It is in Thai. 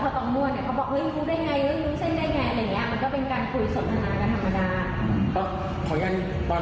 ตอนมั่วเนี่ยเขาบอกเฮ้ยรู้ได้ไงแล้ววุ้นเส้นได้ไงอะไรอย่างเงี้ยมันก็เป็นการคุยสนทนากันธรรมดา